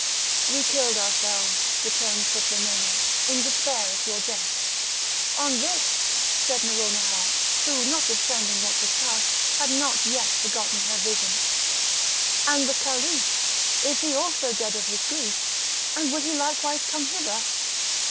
"We killed ourselves," returned Sutlememe, "in despair at your death." On this, said Nouronihar, who, notwithstanding what was past, had not yet forgotten her vision: "And the Caliph! is he also dead of his grief? and will he likewise come hither?"